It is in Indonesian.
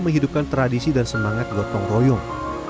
menghidupkan tradisi dan semangat gotong royong